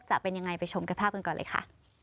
จะเป็นยังไงไปชมกันภาพกันก่อนเลยค่ะ